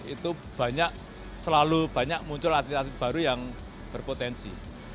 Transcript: itu banyak selalu banyak muncul atlet atlet baru yang berpotensi